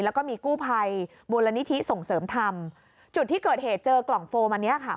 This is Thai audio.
แล้วก็มีกู้ภัยมูลนิธิส่งเสริมธรรมจุดที่เกิดเหตุเจอกล่องโฟมอันนี้ค่ะ